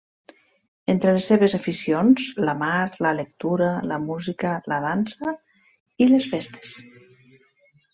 Entre les seves aficions: la mar, la lectura, la música, la dansa i les festes.